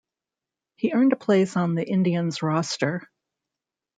He earned a place on the Indians' roster.